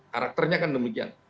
karakternya kan demikian